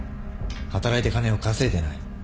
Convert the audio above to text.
働いて金を稼いでない。